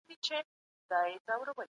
تاسي په خپل ژوند کي د چا حق ته درناوی کړی دی؟